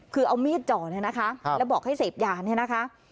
คือเอามีดจ่อเนี่ยนะคะแล้วบอกให้เสพยาเนี่ยนะคะ